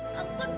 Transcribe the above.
kamu gak suka